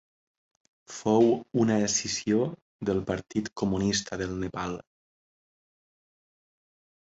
Fou una escissió del Partit Comunista del Nepal.